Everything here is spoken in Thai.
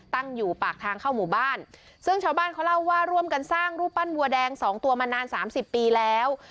ตั้งอยู่ปากทางเข้าหมู่บ้านซึ่งชาวบ้านเขาเล่าว่าร่วมกันสร้างรูปปั้นวัวแดงสองตัวมานานสามสิบปีแล้ว